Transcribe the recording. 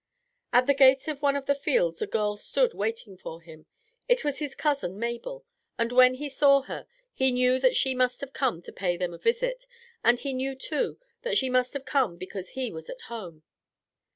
At the gate of one of the fields a girl stood waiting for him. It was his cousin Mabel, and when he saw her he knew that she must have come to pay them a visit, and he knew too that she must have come because he was at home.